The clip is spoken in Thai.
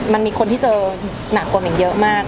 มันมีคนที่เจอหนักกว่ามิ่งเยอะมาก